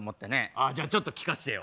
あじゃあちょっと聞かしてよ。